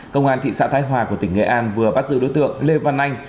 công an thị xã thái hòa của tỉnh nghệ an vừa bắt giữ đối tượng lê văn anh